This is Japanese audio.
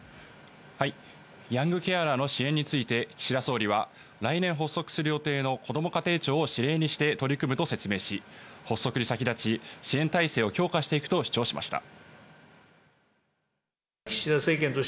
ヤングケアラーの支援について岸田総理は、来年発足する予定のこども家庭庁を司令塔にして取り組むと説明し、補足に先立ち、支援体制を強化していくと主張しました。